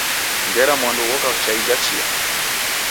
Ngera mwandu ghoka cha ija chia.